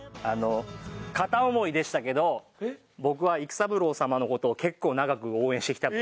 片思いでしたけど僕は育三郎様の事を結構長く応援してきたので。